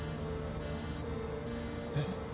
えっ？